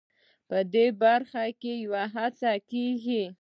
په دې برخه کې یوه هڅه کېږي.